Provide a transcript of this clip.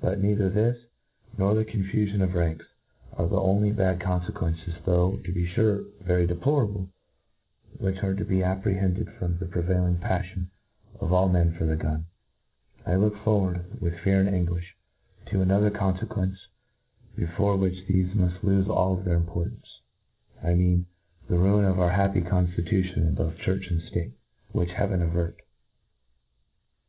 But neither this, nor the con fufion of ranks, are the only bad confequences, though, to be fure, very deplorable^ which are to be apprehended from the prevailing paflion of all men for the gun. I look forward, with fear and anguifli, to another confcquehce, be fore INTRODUCTION. 51 fore which thefe muftlofe all their impoftance— I mean, the ruin of our happy conflitution in both church and ftate, which Heaven avert!